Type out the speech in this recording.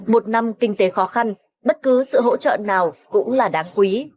một năm kinh tế khó khăn bất cứ sự hỗ trợ nào cũng là đáng quý